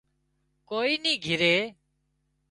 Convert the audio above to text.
ڪوئي نِي گھري